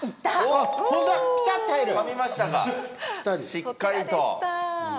しっかりと。